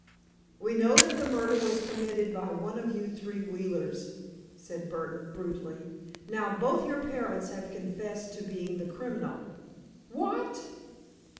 "We know that the murder was committed by one of you three Wheelers," said Burdon, brutally. "Now, both your parents have confessed to being the criminal——" "What?"